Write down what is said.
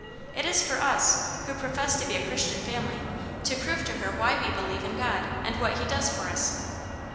It is for us, who profess to be a Christian family, to prove to her why we believe in God, and what He does for us."